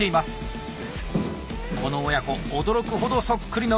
この親子驚くほどそっくりの動き。